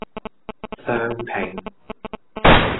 雙拼